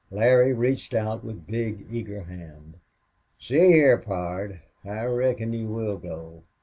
Larry reached out with big, eager hands. "See heah, pard, I reckon you will go."